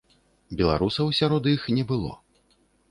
Беларусаў сярод іх не было.